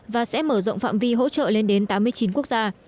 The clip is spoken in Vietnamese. và sẽ mở rộng phạm vi hỗ trợ lên đến tám mươi chín quốc gia